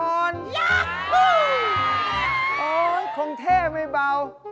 โอ๊ยคงเท่ไม่เบา